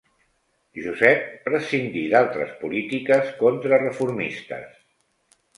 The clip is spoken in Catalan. Josep prescindí d'altres polítiques contrareformistes.